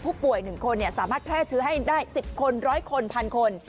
ผู้ป่วย๑คนสามารถแพร่เชื้อให้ได้๑๐คน๑๐๐คน๑๐๐คน